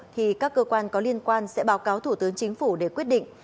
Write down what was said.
thì các cơ quan có liên quan sẽ báo cáo thủ tướng chính phủ để quyết định